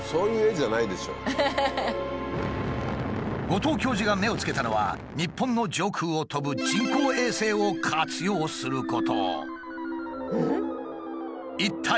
後藤教授が目をつけたのは日本の上空を飛ぶ人工衛星を活用すること。